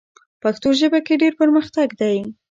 پښتو ژبه کې ډېر پرمختګ دی.